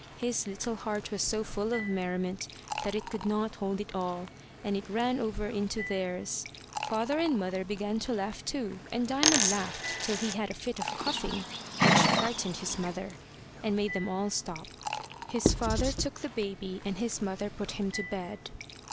His little heart was so full of merriment that it could not hold it all, and it ran over into theirs. Father and mother began to laugh too, and Diamond laughed till he had a fit of coughing which frightened his mother, and made them all stop. His father took the baby, and his mother put him to bed.